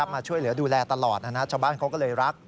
มาช่วยเหลือดูแลตลอดชาวบ้านเขาก็เลยรัก